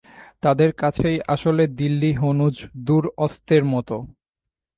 তাদের কাছেই আসলে দিল্লি হনুজ দূর অস্তের মতো।